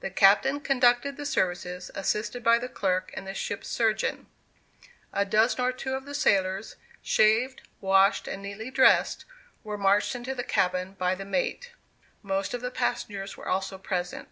The captain conducted the services, assisted by the clerk and the ship's surgeon. A dozen or two of the sailors, shaved, washed, and neatly dressed, were marched into the cabin by the mate; most of the passengers were also present.